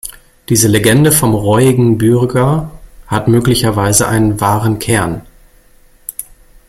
Diese Legende vom reuigen Bürger hat möglicherweise einen wahren Kern.